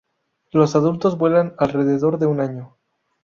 Los adultos vuelan alrededor de un año.